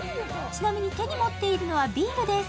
ちなみに手に持っているものはビールです。